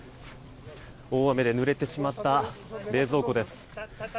大雨でぬれてしまった冷蔵庫です。